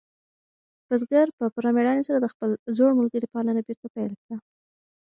بزګر په پوره مېړانې سره د خپل زوړ ملګري پالنه بېرته پیل کړه.